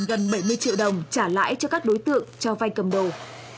gần bảy mươi triệu đồng trả lại cho các đối tượng cho vai cầm đầu